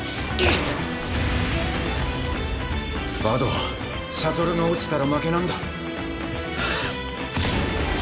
バドはシャトルが落ちたら負けなんだ。